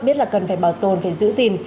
biết là cần phải bảo tồn phải giữ gìn